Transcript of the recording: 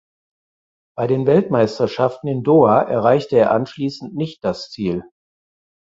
Bei den Weltmeisterschaften in Doha erreichte er anschließend nicht das Ziel.